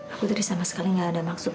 aku tadi sama sekali gak ada maksud